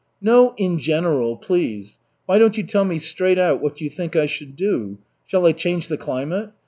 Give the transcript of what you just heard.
"No 'in general,' please. Why don't you tell me straight out what you think I should do? Shall I change the climate?